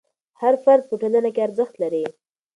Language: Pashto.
هر فرد په ټولنه کې ارزښت لري.